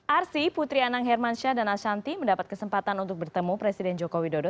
arsi putri anang hermansyah dan ashanti mendapat kesempatan untuk bertemu presiden joko widodo